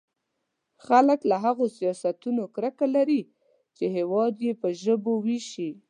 خلک له هغو سیاستونو کرکه لري چې هېواد يې په ژبو وېشي.